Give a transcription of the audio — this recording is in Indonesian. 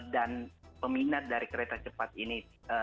dan peminat dari kereta cepat ini